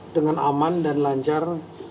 dengan aman dan lancar